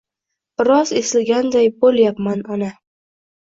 — Biroz eslaganday bo'lyapman, ona.